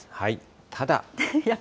ただ。